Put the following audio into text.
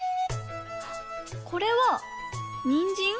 これはにんじん？